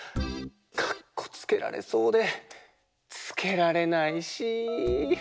かっこつけられそうでつけられないし。